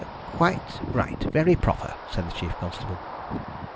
"Quite right very proper," said the chief constable.